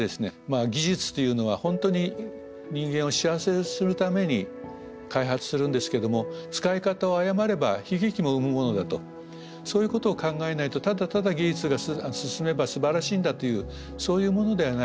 技術というのは本当に人間を幸せにするために開発するんですけども使い方を誤れば悲劇も生むものだとそういうことを考えないとただただ技術が進めばすばらしいんだというそういうものではない。